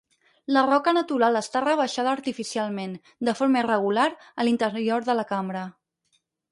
La roca natural està rebaixada artificialment, de forma irregular a l'interior de la cambra.